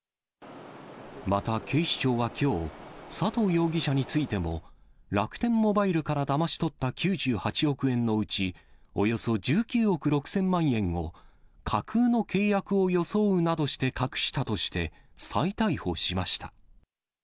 また、警視庁はきょう、佐藤容疑者についても、楽天モバイルからだまし取った９８億円のうち、およそ１９億６０００万円を、架空の契約を装うなどして隠したとして、再逮捕しました。